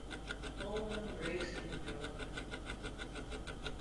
Holden raced in Europe.